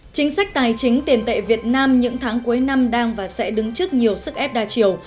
chính sách tài chính tiền tệ việt nam những tháng cuối năm đang và sẽ đứng trước nhiều sức ép đa chiều